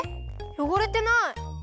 よごれてない！